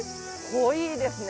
濃いですね。